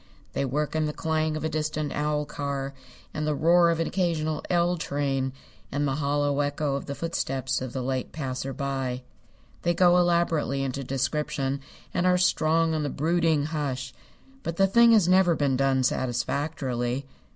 They work in the clang of a distant owl car, and the roar of an occasional "L" train, and the hollow echo of the footsteps of the late passer by. They go elaborately into description, and are strong on the brooding hush, but the thing has never been done satisfactorily.